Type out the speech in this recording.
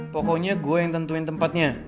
pokoknya gue yang tentuin tempatnya